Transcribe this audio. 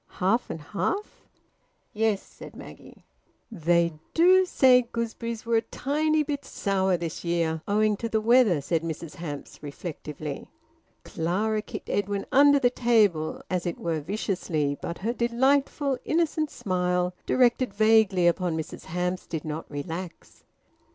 "Half and half?" "Yes," said Maggie. "They do say gooseberries were a tiny bit sour this year, owing to the weather," said Mrs Hamps reflectively. Clara kicked Edwin under the table, as it were viciously, but her delightful innocent smile, directed vaguely upon Mrs Hamps, did not relax.